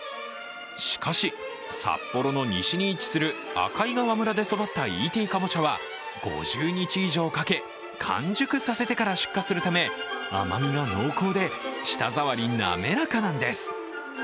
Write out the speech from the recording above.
しかし、札幌の西に位置する赤井川村で育ったＥＴかぼちゃは５０日以上かけ、完熟させてから出荷するため甘みが濃厚で舌触り滑らかなんです。